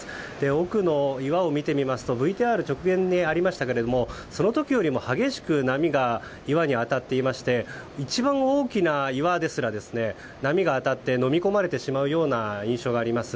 奥の岩を見てみますとＶＴＲの直前でもありましたがその時よりも激しく波が岩に当たっていまして一番大きな岩ですら波が当たってのみ込まれてしまう印象があります。